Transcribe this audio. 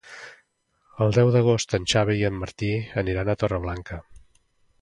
El deu d'agost en Xavi i en Martí aniran a Torreblanca.